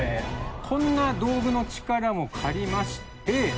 こんな道具の力も借りまして。